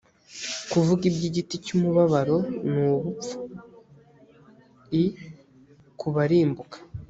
kuvuga iby igiti cy umubabaro ni ubupfu l ku barimbuka